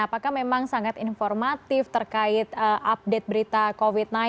apakah memang sangat informatif terkait update berita covid sembilan belas